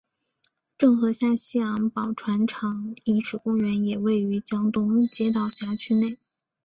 郑和下西洋宝船厂遗址公园也位于江东街道辖区内。